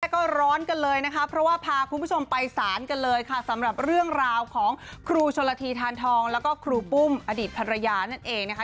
ก็ร้อนกันเลยนะคะเพราะว่าพาคุณผู้ชมไปสารกันเลยค่ะสำหรับเรื่องราวของครูชนละทีทานทองแล้วก็ครูปุ้มอดีตภรรยานั่นเองนะคะ